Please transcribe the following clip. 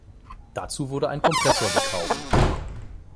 Dazu wurde ein Kompressor gekauft.